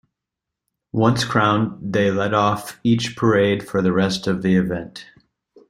Once crowned, they lead off each parade for the rest of the event.